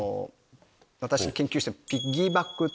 私の研究してる。